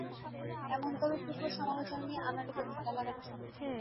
এমনতরো টুকরো সমালোচনা নিয়ে আনাড়িদের ধাঁধা লাগানো সহজ।